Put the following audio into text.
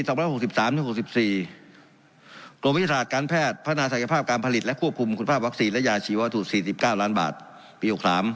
วิทยาศาสตร์การแพทย์พัฒนาศักยภาพการผลิตและควบคุมคุณภาพวัคซีนและยาชีวัตถุ๔๙ล้านบาทปี๖๓